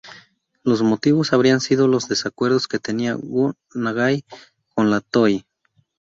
Los motivos habrían sido los desacuerdos que tenía Go Nagai con la Toei.